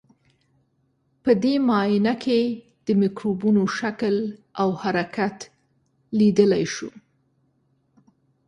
په دې معاینه کې د مکروبونو شکل او حرکت لیدلای شو.